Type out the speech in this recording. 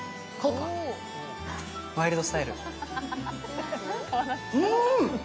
ワイルドスタイル。